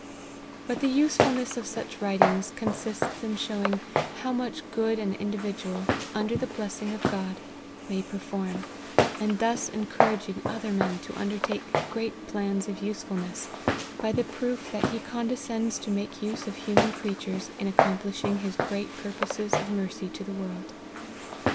But the usefulness of such writings consists in showing how much good an individual, under the blessing of God, may per form ; and thus encouraging other men to undertake great plans of usefulness, by the proof that He con descends to make use of human creatures in accom plishing his great purposes of mercy to the world.